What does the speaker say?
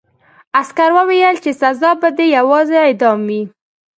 عسکر وویل چې سزا به دې یوازې اعدام وي